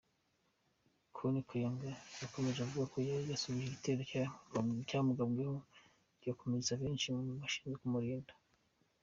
Col Kayonga yakomeje avuga ko yari yasubije igitero cyamugabweho kigakomeretsa benshi mu bashinzwe kumurinda.